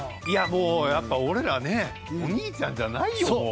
いやもうやっぱ俺らねお兄ちゃんじゃないよ